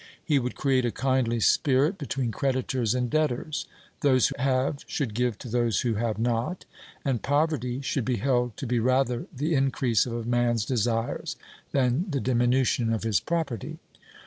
He would create a kindly spirit between creditors and debtors: those who have should give to those who have not, and poverty should be held to be rather the increase of a man's desires than the diminution of his property.